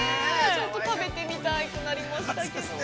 ちょっと食べてみたくなりましたけど。